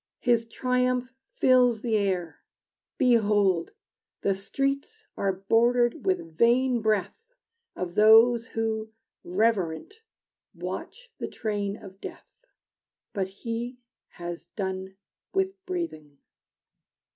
His triumph fills the air: Behold, the streets are bordered with vain breath Of those who reverent watch the train of death; But he has done with breathing!